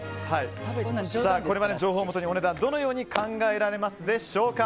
これまでの情報をもとにお値段どのように考えられるでしょうか。